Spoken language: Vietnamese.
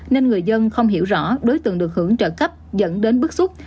nên người dân không hiểu rõ đối tượng được hưởng trợ cấp dẫn đến bức xúc